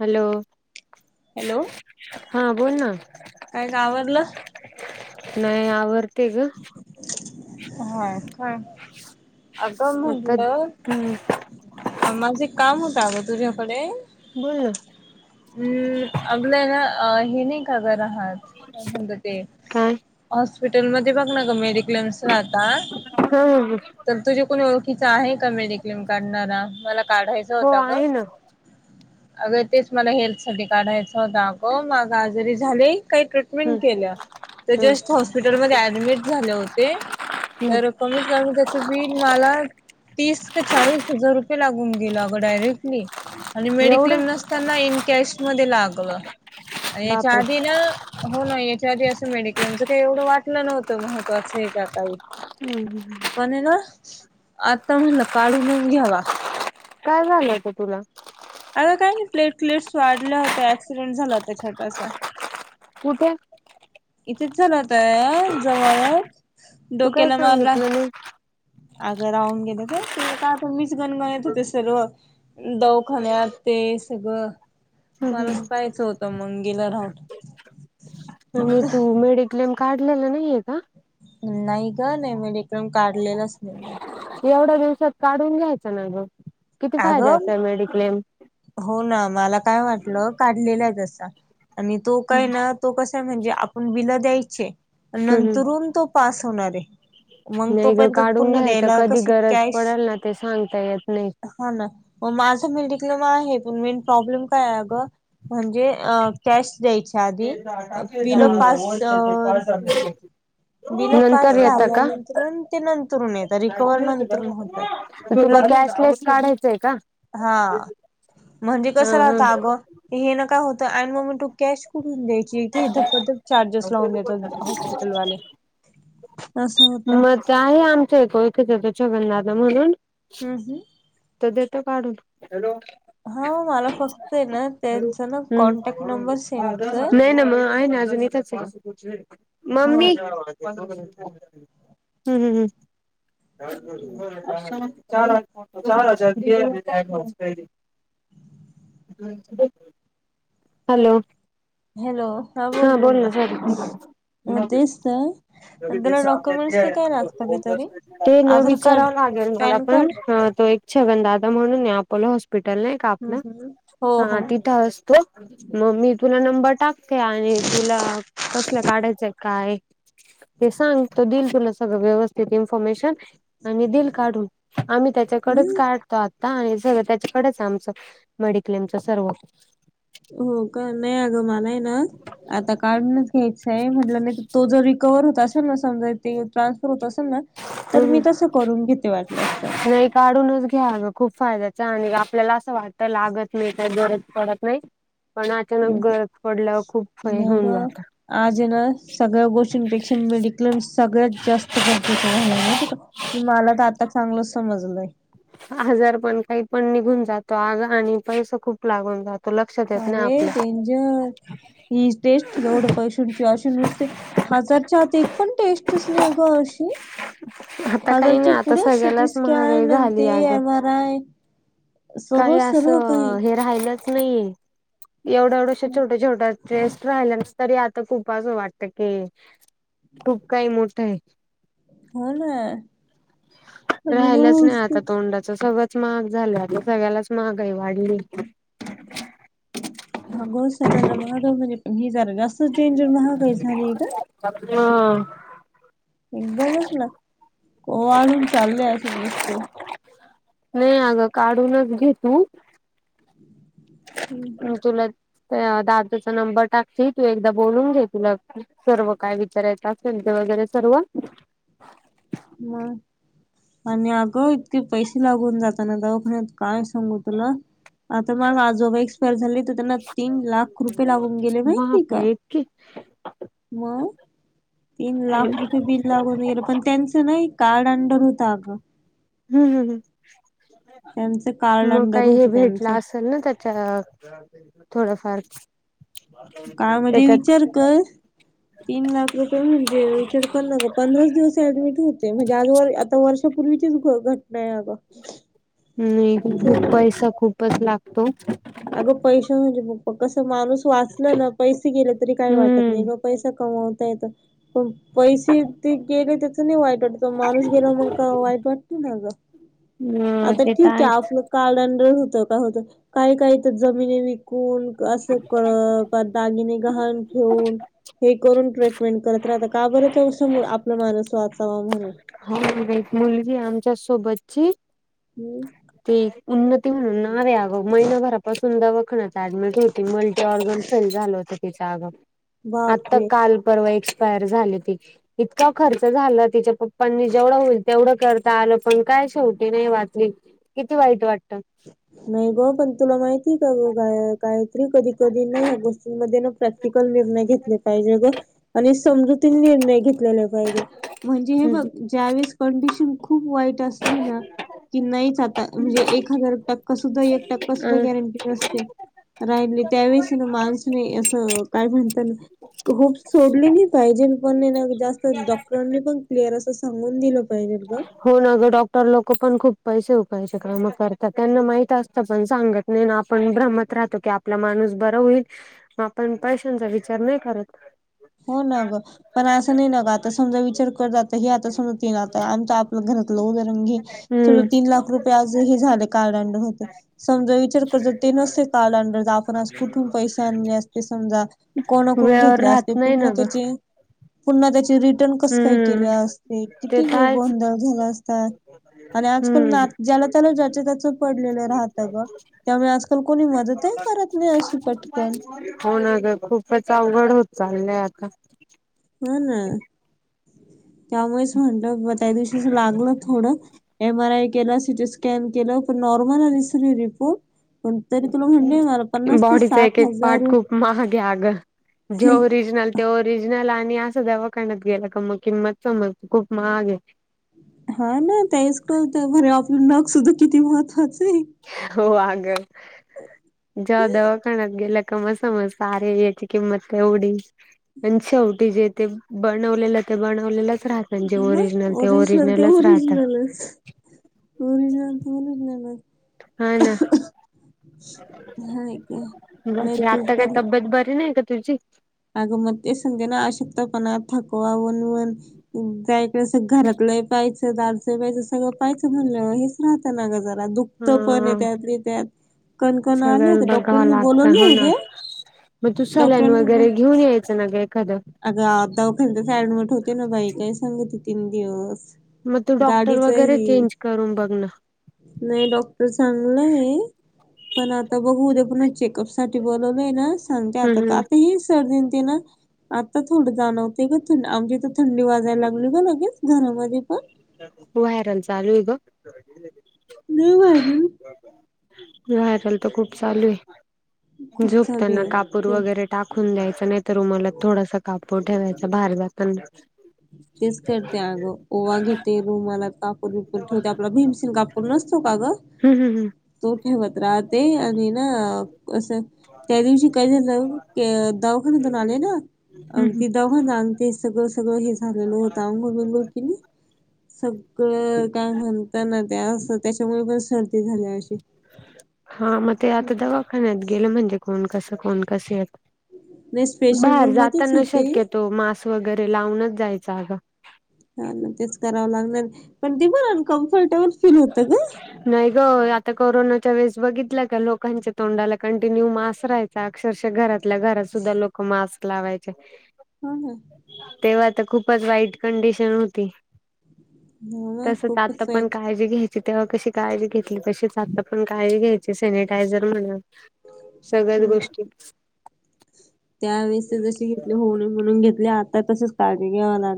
Hello. Hello हा बोल ना. काय का आवरलं? नाही आवर- हा का? अग! आता म्हटलं हम्म माझ काम होत अगं तुझ्याकडे. बोल ना. हम् आपलंय ना? हे नाही काग राहात? काय म्हणता ते- काय हॉस्पिटलमध्ये- मेडिक्लेम राहता. ह तर तुझे कोणी ओळखीच आहे का मेडिक्लेम - क्लेम काढणारा. मला काढायचा हो होता ग. आहे ना अगं तेच मला हेल्थ साठी काढायचा होता. अग माझं आजारी झालय. काही कट - हम्म [unintelligible] तर हम्म जस्ट हॉस्पिटलमध्ये ऍडमिट झाले होते तर- हम्म कमीत कमी त्याच बिल मला तीस का चाळीस- हजार रुपये लागून गेल अग, डायरेक्टली आणि मेडिक्लेम एवढं नस- त्यांना इनकॅश मध्ये लागलं याच्या बापरे आधीन हो ना याच्या आधी असं मेडिक्लेमचं काही एवढं वाटलं नव्हतं महत्वाचं आहे काही हम्म पण ना आता म्हणलं काढूनच घ्यावा काय झालं होतं तुला आता काय नाही प्लेट प्लेट्स वाढल्या होत्या ऍक्सिडेंट झाला होता छोटासा कुठे इथेच झालाताय जवळ तू काय डोक्याला मारला सांगितलं नाही अगं राहून गेलं तर ते कायता मीच गणगणत होते सर्व दवखान्या ते सगळं मलाच पाहाचं होतं मंगेला राहत आणि तू मेडिक्लेम काढलेला नाहीये का नाही ग नाही मीकून काढलेलंच नाही मी एवढ्या दिवसात काढून घ्यायचं ना ग किती अगं फायद्याचांय मेडिक्लेम हो ना मला काय वाटलं काढलेला आहे तसा आणि तो काय ना तो कसा आहे म्हणजे आपण बिल द्यायचे हम्म नंतरून तो पास होणार आहे मग तो नाही ग पर्यंत काढून पुन्हा घ्यायच द्यायला कधी कशी गरज कॅश पडेल ना ते सांगता येत हा ना म माझं मी टिकलं प मे प्रॉब्लेम काय अ म्हणजे टॅक्ट द्यायच्या आधी बिलो पास नाही बिल पास नंतर येता का? झाल्यानंतर ते नंतरून येत रिकवर्ह नंतरून होतय तुला पण गॅसलेस काढायचय का हा म्हणजे हा कसं हा राहत अगं हे ना काय होतं अड ममी टू कॅश ून देखि ते इदर उधर चार्जस लाव त हॉस्पिटल वले असस होता मग आहे आमच आहेो एकच येत छगनाला म्हणून हम् हम् तर देतो काढून हा मला फक्त आहे ना त्यांचा ना हम् कॉन्टॅक्ट नंबर सेंड कर नाही ना मग आहे ना अजून इथ मम्मी हो नैसर्गिक आपत्तीमुळे होणारे पिकाचे नुकसान टाळण्यासाठी प्रत्यक्ष शेतकऱ्याकडे पिक विमा असायलाच हा हा चार चार हजार हॅलो हॅलो बोल हा बोल ना बोलन मग तेच तर आणि त्याला डॉक्युमेंट्स ते काय लागतं का तरी ते आधार नवीच कार्ड विचारव लागेल मला पॅन कार्ड पण तो एक छगनदादा म्हणून अपोलो हॉस्पिटले हम्म कापलं हम्म हो हा हो तिथंच बग त मग मी तुला नंबर टाकते आणि तुला कसलं काढायचंय काय ते सांग तो दिल तुला सगळं व्यवस्थित इन्फॉर्मेशन आणि दिल काढून आ इकडेच हम्म काढतो आता आणि सगळं त्याच्याकडेच आमच मेडिकलच सर्व हो का म्या मागं आहे ना आता काढूनच घ्यायचंय म्हटलं नाही तो जविक कव्हर होत असेल ना समजा ते ट्रान्सफर होत असेल ना तर हम् मी तसं करून घेते वाटलंस तर नाही काढूनच घ्या ग खूप फायद्याच आणि आपल्याला असं वाटतं लागत नाही गरज पडत नाही पण अचानक गरज पडल्यावर खूप हे मग होऊन जात आज ना सगळ्या गोष्टींपेक्षा मिे क्लेम सगळ्यात जास्त गरजेचा झालाय हो मला त आता चांगलच समजलं आजार पण काही पण निघून जातो आजाराणे पैसा खूप लागून जातो लक्षात येत नाही अरे आपल्या डेंजर हि टेस्ट एवढं फर्स्ट तुमचे असे नुसते हजारच्या आत एक पण टेस्टच नाही गं अशी आता काही नाही हजारच्या आता पुढे सिटी सगळलाच महागाई स्कॅन आणि झाली ते आहे ग एम आर आय सर्व काही असं सर्व काही हे राहिलंच नाहीये एवढं एवढश छोट् छोट्. टेस्ट राहिल्या तरी आता खूप वाटत की खूप काही मोठं आहे. हो ना. आणि राहिलाच नाही नुसते आता तोंडाचा सगळं. महाग झाल आता सगळ्यालाच महागाई वाढली. हा गो सगळ्यांना मांगो म्हणजे फी जरा जास्त. डेंजर महागाई झाली का. ह एकदमच ओवाळून चालले असे नुसते. हेय अगं काढूनच घेतू. हम्म, मी हम्म. तुला त्या दादूचा नंबर टाकते तू एकदा बोलून घे तुला. सर्व काय विचारायचं असेल ते वगैरे सर्व. मग. आणि अ ग इतके पैसे लागून जाताना दवाखान्यात काय सांगू तुला. आता माला आजोबा एक्सपायर झाले तर त्यांना तीन लाख रुपये लावून गेले माहिती नाही का. बापरे इतकी मग तीन खोल. लाख रुपये बिल. लागूनैर पण त्यांचं नाही कार्ड अंडर होतं अगं. हम्म त्यांचं कार्ड ह् मग अंडर काही हे होत त्यांचं भेटलास. त्यांना त्याच्या थोडफार. का म्हणजे विचार कर तीन लाख रुपये. म्हणजे विचार कर न ग पंधराच दिवस ऍडमिट होते म्हणजे आज वर आता वर्षापूर्वीचेच गो घ टना हाय ग. नाही खूप पैसा खूपच लागतो. अ ग पैसा म्हणजे बघ. कसं माणूस वाचलं ना पैसे गेले तरी काय वाटत नाही हम्म ग पैसा कमवता येतो. पण पैसे ते गेले त्याच नाही वाईट वाटत. माणूस गेला मग का वाईट वाटत ना ग ह आता ते तर ठीक आहे आहेच आपलं. काडंडर होत काय होतं काही काही तर जमिनी विकून असं कर पा दागिने गव्हाण ठेवून. हे करून ट्रीटमेंट करत राहता का बर अस आपला मानुस वाचावा म्हणून. हो ग बाई मुलगी आमच्या सोबतची. हम्म. ती उन्नती म्हणून नाव आगो महिनाभरा पासून दवाखाना. डम होती मल्टी ऑर्गन फेल झालं होत त्याचग आता बापरे काल. परर्व एक्सपायर झाली ती. इतका खर्च झाला तिच्या पप्पांनी जेवढं होईल तेवढं करता आलं पण काय शेवटी नाही वाचली. किती वाईट वाटतं. नाही ग पण तुला माहिती का ग गायत्री कधी कधी नाही ह्या गोष्टींमध्ये न प्र ती कल निर्णय घेतले पाहिजे ग आणि समजूती निर्णय. र्णय घेतलेले पाहिजेत म्हणजे हे बघ ज्यावेळेस कंडिशन खूप वाईट असते. मी ना की नाहीच आता म्हणजे एक हजार टक् सुधा एक टक् सुधा गॅरं किती असत्या राहिले त्यावेळेस ना माणसने असं काय म्हणत. होप सोडली नाही पाहिजे पण ना जास्त डॉक्टरांनी पण क्लिअर असं सांगून दिलं. पाहिजे ग. होन अगं डॉक्टर लोक पण खूप पैसे उकायचे काम करतात त्यांना माहित असतं पण सांगत. नाही ना आपण भ्रमत राहतो की आपला माणूस बर होईल. आपण पैशांचा विचार नाही करत. हो ना ग पण असं नाही न ग आता समजा विचार करत हे आता समजा. तेन आता आमच आपलं घरातलं उदाहरण घे. तु हम्म तीन लाख रुपये आज हे झाले कार्ड अंडर होतेय. समजा विचार करत ते नसेते कार्ड अंडर आज आण आपण कुठून पैसे आणले असते समजा. कोणाकडून वेळेवर घेतले राहत असे नाही ना ग पुन्हा त्याची रि कस काय केले हम्म असते ते किती तर हे आहेच गोंधळ झाला असता. आणि आजकाल ना हम्म ज्याला त्याला ज्याच्या त्याच पडलेलं राहतं ग त्यामुळे आजक पटकन हो ना ग खूप पच अवघड होत चाललंय आता. हा ना त्यामुळेच म्हणल त्या दिवशीच लागल थोडं. एम आर आय केलं सिटी स्कॅन केलं पण नॉर्मल आले स रिपोर्ट. पण तरी तुला म्हणले मला पन्नास ते बॉडीचा एक साठ एक पार्ट हजार खूप महाग आहे अगं. जे ओरिजनल ते ओरिजनल आणि असं दवाखान्यात गेला का मग किंमत समजते खूप महाग आहे. हा ना तेच कळतंय अरे आपलं नख सुद्धा किती महत्त्वाचय. हो आग ज्या दवाखान्यात गेल्या म समजत अरे याची किंमत केवढीय. पण शेवटी जे ते बनवलेलं ते बनवलेलंच राहत हा म ओरिजनल ते ओरिजनलच, ओरिजनल ते ओरिजनलच. हा ना. हा का नाही म्हणजे तू आत्ता काय तबेत बरी नाही का तुझी. आग म तेच सांगते ना आशक्तपणाा थाकवा वणवण त्या इकडे सग घरातलंही पाहाचं दारचही पायचं सगळं पाहिजं म्हणलं हेच राहतं ना ग जरा दुख तो पण अहे हा त्यातली त्यात कणकण आली सगळं होती बघावं डॉक्टरनी लागतं बोलवलय हो ना उद्या. मग तू सलाइन वगैरे घेऊन यायचं ना ग एखादं. अग आ दवाखान्यातच ऍडमिट होते ना बाई काय सांगते तीन दिवस. म तू डॉक्टर गाडीच हे वगैरे चेंज करून बघ ना. नाही डॉक्टर चांगलंय हे. पण आता बघू उद्या पुन्हा चेकअप साठी बोलवलंय ना सांगते आता हम्म का हम्म. आता हे सर्दीन ते ना आता थोडं जाणवतय ग थ आमच्या इथ थंडी वाजायला लागली ग लगेच घरामध्ये पण. व्हायरल चालू आहे ग. लई व्हायरल व्हायरल तर खूप चालू आहे खूप झाली झोपताना आहे कापूर खूप वगैरे टाकून द्यायचं नाहीतर रुमालात थोडासा कापूर ठेवायचा बाहेर जाताना तेच करते अगं ओवा घेते रूमलात कापूर ठेवते आपला भीमसेनी कापूर नसतो का ग? हम् हम् तो ठेवत राहते आणि ना असं त्या दिवशी काय झालं के अ दवाखान्यातून आले ना हम् हम् अगदी दवाखान्यात अंग ते सगळं सगळं हे झालेलं होतं आंघोळ बिंगोळ केली. सगळं काय म्हणता ना ते असं त्याच्यामुळे पण सर्दी झाली अशी हा मग ते आता दवाखान्यात गेलं म्हणजे कोण कसं कोण कसं आहेत नाही स्पेशल बाहेर रूम मध्येच जाताना होते शक्यतो मास वगैरे लावूनच जायचा अगं. हां ना तेच करावं लागणार पण ती बर कम्फर्टेबल फील होतं ग नाही ग आता कोरोनाच्या वेळेस बघितला का लोकांच्या तोंडाला कंटिन्यू मास राहाय अक्षरशः घरातल्या घरात सुद्धा लोक मास्क लावायचे हम्म हम्म. तेव्हा तर खूपच वाईट कंडिशन होती. हो ना तसच आत्ता खूपच पण वाईट काळजी घ्याय तेव्हा कशी काळजी घेतली तशीच आत्ता पण काळजी घ्यायची सॅनिटायझर म्हणा सगळ्याच हम्म गोष्टी त्यावेळेस जसे घेतले हो ना म्हणून घेतले आता तसेच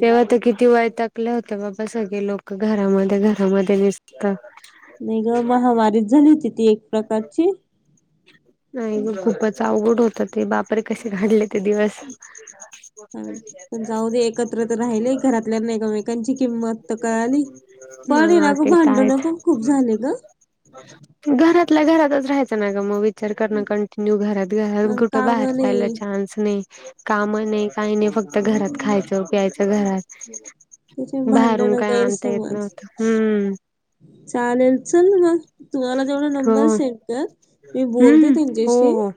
तेव्हा त किती वैतागले होते बाबा सगळे लोक घरामध्ये घरामध्ये निस ता नाही ग महामारी झाली होती ती एक प्रकारची नाही ग खूपच अवघड होत ते बापरे कसे घालवले ते दिवस आणि पण जाऊ दे एकत्र तर राहिले घरातल्यांना एकमेकांची किंमत तर कळाली पण आहे ना मग ग ते तर आहेच. भांडणं पण खूप झाले ग घरातल्या घरातच राहायचं ना ग मग विचार करण कंटिन्यू घरात-घरात अन कुठं काम बाहेर जायला नाही चान्सच नाही काम नाही, काही नाही फक्त घरात हम्म खायचं, प्यायचं घरात त्याचे बाहेरून भांडणं काय आणता येत गैरसमज नव्हत हम्म चालेल चल मग तू मला तेवढा हो नंबर सेंड कर मी बोलते हम्म हो त्यांच्याशी हो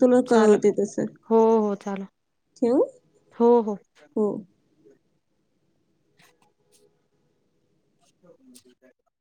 तुला चाल कळवते तस हो हो चाल ठेवू? हो हो हो. [inaudible]